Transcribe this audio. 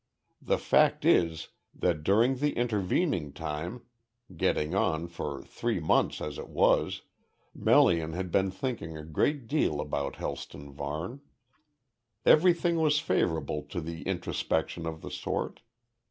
The fact is, that during the intervening time getting on for three months as it was Melian had been thinking a great deal about Helston Varne. Everything was favourable to introspection of the sort.